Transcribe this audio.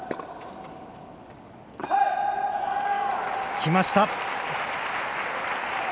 きました。